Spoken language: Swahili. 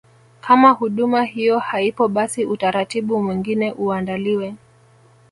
Kama huduma hiyo haipo basi utaratibu mwingine uandaliwe